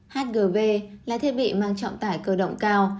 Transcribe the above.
hgv là thiết bị mang trọng tải cơ động cao